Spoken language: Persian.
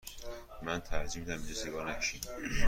من ترجیح می دهم اینجا سیگار نکشی.